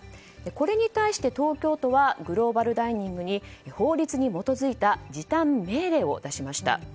これに対して、東京都はグローバルダイニングに法律に基づいた時短命令を出しました。